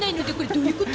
どういうこと？